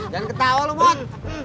jangan ketawa lo mak